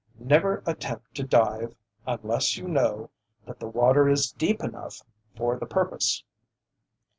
Never attempt to dive unless you know that the water is deep enough for the purpose.